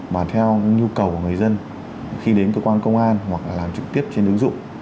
và theo nhu cầu của người dân khi đến cơ quan công an hoặc là làm trực tiếp trên ứng dụng